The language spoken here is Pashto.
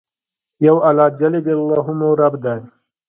یو الله مو رب دي.